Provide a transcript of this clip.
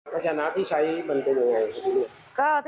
ชนะที่ใช้มันเป็นยังไง